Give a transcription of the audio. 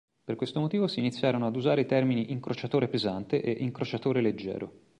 Per questo motivo si iniziarono ad usare i termini incrociatore pesante e incrociatore leggero.